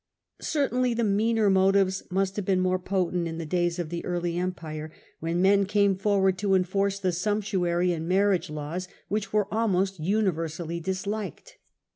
Certainly the meaner motives must have been most potent in the days of the early Empire, y^hen men came forward to enforce the sumptuary and marriage laws which were almost universally dis liked.